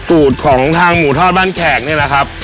สูตรของทางหมูทอดบ้านแขกเนี่ยนะครับ